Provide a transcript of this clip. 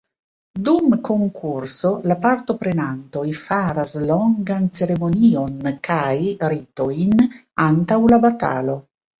Dum konkurso, la partoprenantoj faras longan ceremonion kaj ritojn antaŭ la batalo.